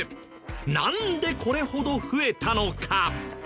なんでこれほど増えたのか？